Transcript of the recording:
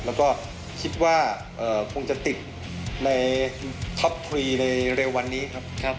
แล้วก็คิดว่าคงจะติดในท็อปทรีในเร็ววันนี้ครับ